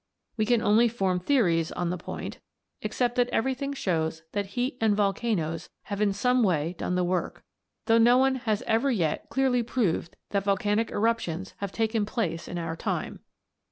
We can only form theories on the point, except that everything shows that heat and volcanoes have in some way done the work, though no one has ever yet clearly proved that volcanic eruptions have taken place in our time.